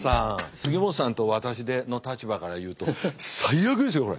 杉本さんと私の立場から言うと最悪ですよこれ。